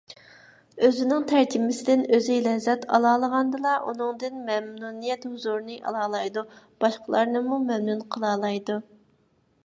ئۆزىنىڭ تەرجىمىسىدىن ئۆزى لەززەت ئالالىغاندىلا، ئۇنىڭدىن مەمنۇنىيەت ھۇزۇرىنى ئالالايدۇ، باشقىلارنىمۇ مەمنۇن قىلالايدۇ.